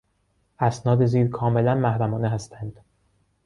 اسناد زیر کاملا محرمانه هستند.